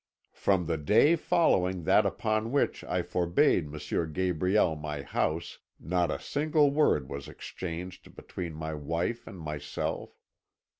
From the day following that upon which I forbade M. Gabriel my house, not a single word was exchanged between my wife and myself.